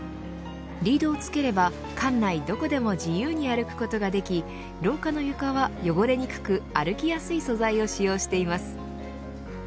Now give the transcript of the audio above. リードをつければ館内どこでも自由に歩くことができ廊下の床は汚れにくく歩きやすい素材を使用しています。